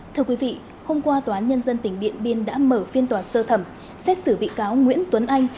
thưa quý vị hôm qua tòa án nhân dân tỉnh điện biên đã mở phiên tòa sơ thẩm xét xử bị cáo nguyễn tuấn anh